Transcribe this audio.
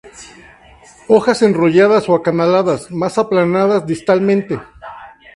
Hojas enrolladas o acanaladas, más aplanadas distalmente.